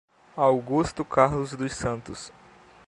Augusto Carlos dos Santos